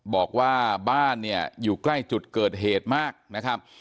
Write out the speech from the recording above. บอกว่าบ้านเนี่ยอยู่ใกล้จุดเกิดเหตุมากนะครับ